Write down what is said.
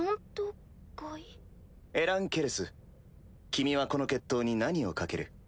エラン・ケレス君はこの決闘に何を賭ける？